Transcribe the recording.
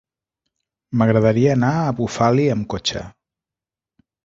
M'agradaria anar a Bufali amb cotxe.